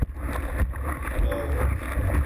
لاؤ